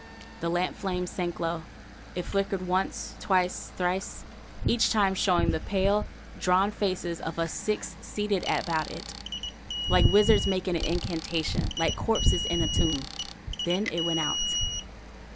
The lamp flame sank low. It flickered, once, twice, thrice, each time showing the pale, drawn faces of us six seated about it, like wizards making an incantation, like corpses in a tomb. Then it went out.